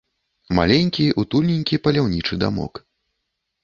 Маленькі, утульненькі паляўнічы дамок.